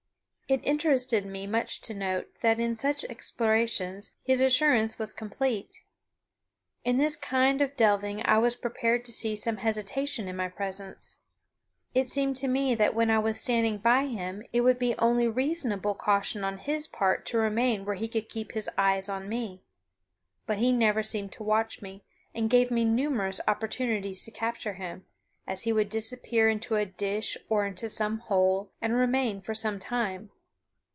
It interested me much to note that in such explorations his assurance was complete. In this kind of delving I was prepared to see some hesitation in my presence. It seemed to me that when I was standing by him it would be only reasonable caution on his part to remain where he could keep his eyes on me. But he never seemed to watch me; and gave me numerous opportunities to capture him, as he would disappear in a dish or in some hole, and remain for some time.